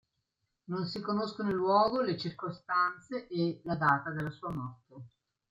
Non si conoscono il luogo, le circostanze e la data della sua morte.